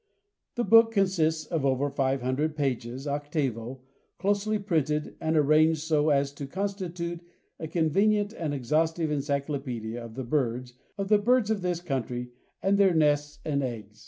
The book consists of over five hundred pages octavo, closely printed, and arranged so as to constitute a convenient and exhaustive encyclopedia of the birds of this country and their nests and eggs.